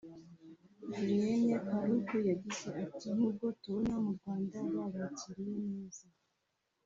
Julien Paluku yagize ati “nubwo tubona mu Rwanda babakiriye neza